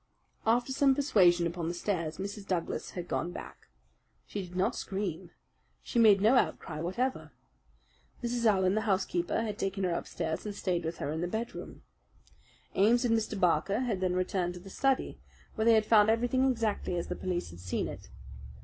After some persuasion upon the stairs Mrs. Douglas had gone back. She did not scream. She made no outcry whatever. Mrs. Allen, the housekeeper, had taken her upstairs and stayed with her in the bedroom. Ames and Mr. Barker had then returned to the study, where they had found everything exactly as the police had seen it.